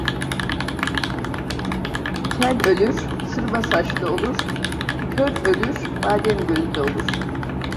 Kel ölür, sırma saçlı olur; kör ölür, badem gözlü olur.